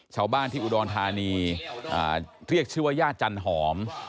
ชาวบ้านที่อุดรธานีเรียกชื่อว่าย่าจันหอม